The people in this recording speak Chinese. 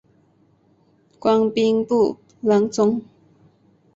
官兵部郎中。